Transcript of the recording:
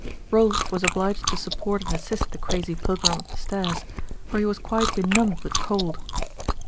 Rolf was obliged to support and assist the crazy pilgrim up the stairs, for he was quite benumbed with cold.